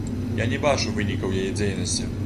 Я не бачу вынікаў яе дзейнасці.